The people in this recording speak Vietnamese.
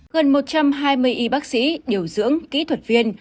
gần một trăm hai mươi y bác sĩ điều dưỡng kỹ thuật viên